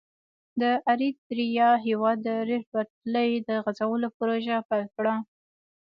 د اریتریا هېواد د ریل پټلۍ د غزولو پروژه پیل کړه.